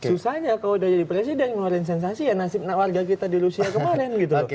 susahnya kalau udah jadi presiden ngeluarin sensasi ya nasib warga kita di rusia kemarin gitu